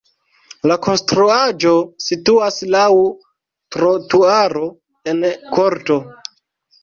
La konstruaĵo situas laŭ trotuaro en korto.